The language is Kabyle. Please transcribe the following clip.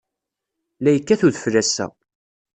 La yekkat udfel ass-a.